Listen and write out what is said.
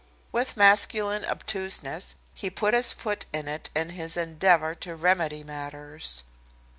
With masculine obtuseness he put his foot in it in his endeavor to remedy matters.